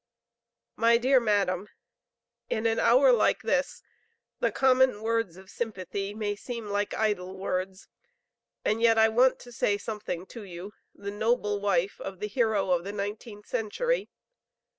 MY DEAR MADAM: In an hour like this the common words of sympathy may seem like idle words, and yet I want to say something to you, the noble wife of the hero of the nineteenth century.